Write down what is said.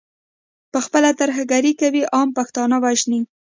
پخپله ترهګري کوي، عام پښتانه وژني.